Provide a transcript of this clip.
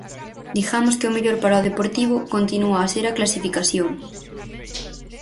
Digamos que o mellor para o Deportivo continúa a ser a clasificación.